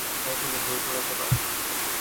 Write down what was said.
তাই বলে বই পোড়াতে পারো না?